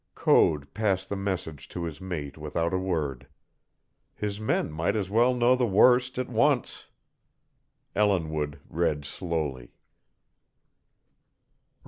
Code passed the message to his mate without a word. His men might as well know the worst at once. Ellinwood read slowly.